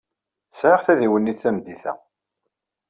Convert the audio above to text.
Sɛiɣ tadiwennit tameddit-a.